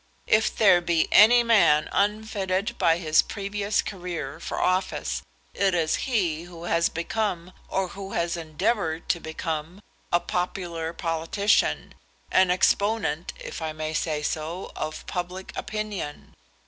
If there be any man unfitted by his previous career for office, it is he who has become, or who has endeavoured to become, a popular politician, an exponent, if I may say so, of public opinion.